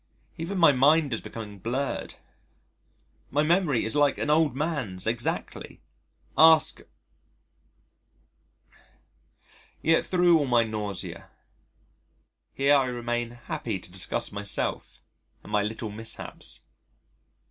Even my mind is becoming blurred. My memory is like an old man's exactly. (Ask .)Yet thro' all my nausea, here I remain happy to discuss myself and my little mishaps.